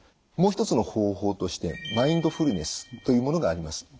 もう一つの方法としてマインドフルネスというものがあります。